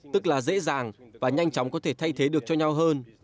tức là dễ dàng và nhanh chóng có thể thay thế được cho nhau hơn